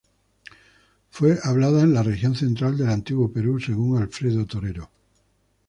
Fue hablada en la región central del antiguo Perú según Alfredo Torero.